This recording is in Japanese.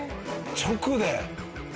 直で。